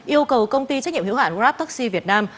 yêu cầu công ty trách nhiệm hữu hãn grabtaxi việt nam